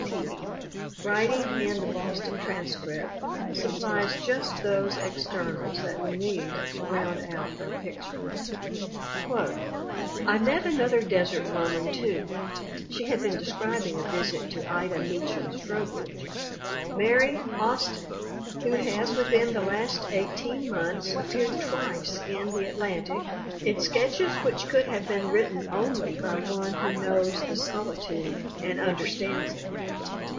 Peattie, writing in the Boston Transcript, supplies just those externals that we need to round out our picture : "I met another desert woman, too [she had been describing r. visit to Ida Meacham Strobridge] Mary Austin, who has within the last eighteen months ap peared twice in the Atlantic in sketches which could 172 THE WOMEN WHO MAKE OUR NOVELS have been written only by one who knows the soli tude and understands it.